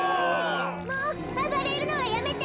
もうあばれるのはやめて！